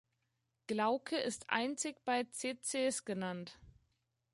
Glauke ist einzig bei Tzetzes genannt.